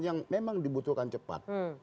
yang memang dibutuhkan cepat